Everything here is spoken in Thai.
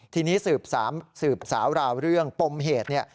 ทีนี้สืบสาวราวเรื่องปมเหตุเนี่ย